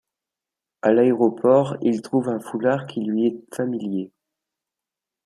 À l’aéroport, il trouve un foulard qui lui est familier.